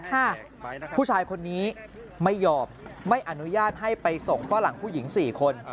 ผู้ชายคนนี้ไม่ยอมไม่อนุญาตให้ไปส่งฝรั่งผู้หญิงสี่คน